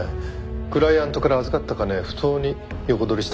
クライアントから預かった金不当に横取りした事になります。